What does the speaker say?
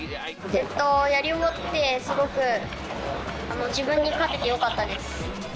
やり終わってすごく、自分に勝ててよかったです。